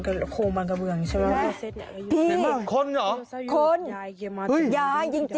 คนอย่างจริง